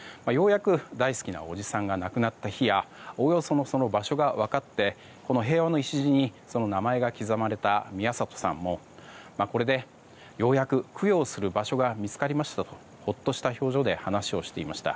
大好きな叔父さんが亡くなった日やおおよその場所が分かって平和の礎にその名前が刻まれた宮里さんもこれでようやく供養する場所が見つかりましたとほっとした表情で話していました。